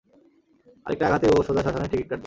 আরেকটা আঘাতেই ও সোজা শশ্মানের টিকিট কাটবে।